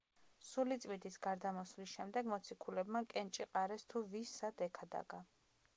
სულიწმიდის გარდამოსვლის შემდეგ მოციქულებმა კენჭი ყარეს თუ ვის სად ექადაგა.